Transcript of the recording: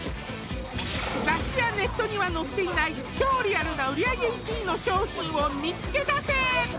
雑誌やネットには載っていない超リアルな売り上げ１位の商品を見つけ出せ！